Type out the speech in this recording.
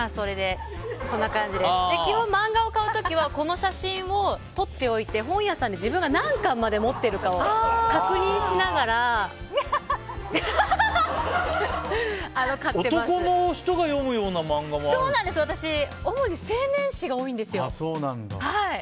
基本、マンガを買う時はこの写真を撮っておいて本屋さんに自分が何巻まで持ってるかを確認しながら男の人が読むような漫画も私、主に青年誌が多いんです。